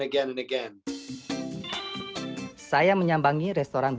yang mengandung konsumen